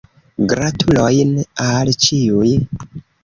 Gratulojn al ĉiuj.